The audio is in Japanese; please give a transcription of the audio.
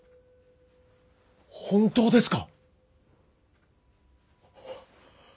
本当ですか！？